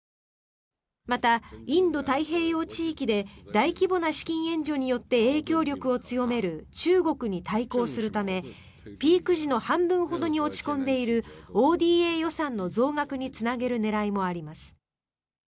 また、インド太平洋地域で大規模な資金援助によって影響力を強める中国に対抗するためピーク時の半分ほどに落ち込んでいるＯＤＡ予算の増額につなげる狙いもあります。